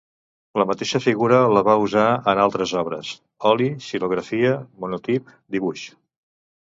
La mateixa figura la va usar en altres obres: oli, xilografia, monotip, dibuix.